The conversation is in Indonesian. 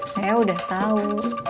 saya udah tau